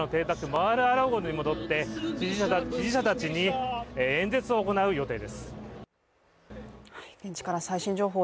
マール・ア・ラーゴに戻って支持者たちに演説を行う予定です。